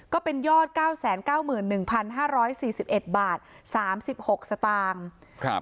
ก็เป็นยอด๙๙๑๕๔๑บาท๓๖สตางค์